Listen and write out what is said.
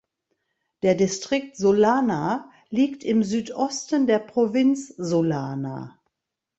Der Distrikt Sullana liegt im Südosten der Provinz Sullana.